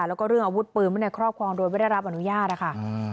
แล้วก็เรื่องอาวุธปืนไว้ในครอบครองโดยไม่ได้รับอนุญาตนะคะ